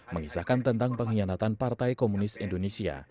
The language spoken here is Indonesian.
mengisahkan tentang pengkhianatan partai komunis indonesia